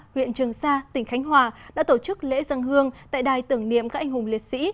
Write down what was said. huyện trường sa tỉnh khánh hòa đã tổ chức lễ dân hương tại đài tưởng niệm các anh hùng liệt sĩ